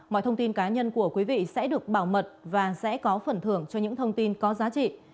mọi thông tin cá nhân của quý vị sẽ được bảo mật và sẽ có phần thưởng cho những thông tin có giá trị